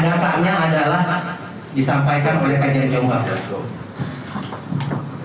adasannya adalah disampaikan oleh kajian jombang